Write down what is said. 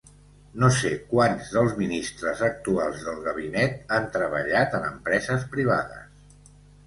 No sé quants dels ministres actuals del gabinet han treballat en empreses privades.